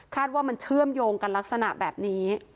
ว่ามันเชื่อมโยงกันลักษณะแบบนี้